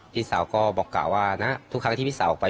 พี่สาวก็บอกกล่าวว่านะทุกครั้งที่พี่สาวออกไป